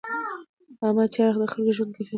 عامه چارې د خلکو د ژوند کیفیت بدلوي.